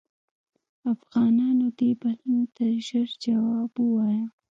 افغانانو دې بلنو ته ژر جواب ووایه.